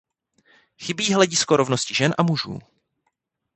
Chybí hledisko rovnosti žen a mužů.